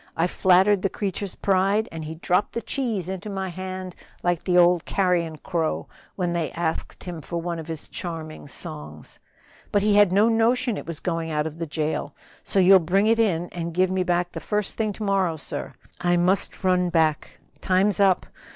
I flattered the creature's pride, and he dropped the cheese into my hand like the old carrion crow when they asked him for one of his charming songs. But he had no notion it was going out of the jail; so you'll bring it in and give it me back the first thing to morrow, sir. I must run back, time's up!